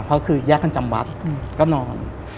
เพราะคือแยกกันจำวัดก็นอน